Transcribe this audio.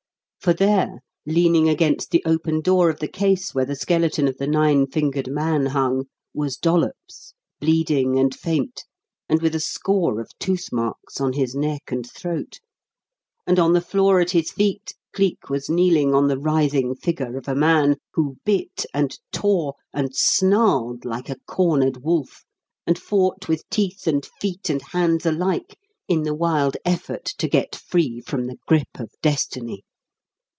For there, leaning against the open door of the case where the skeleton of the nine fingered man hung, was Dollops, bleeding and faint, and with a score of tooth marks on his neck and throat, and on the floor at his feet Cleek was kneeling on the writhing figure of a man, who bit and tore and snarled like a cornered wolf and fought with teeth and feet and hands alike in the wild effort to get free from the grip of destiny.